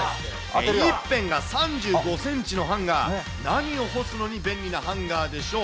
一辺が３５センチのハンガー、何を干すのに便利なハンガーでしょう？